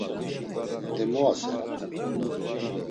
E mu asert̆u?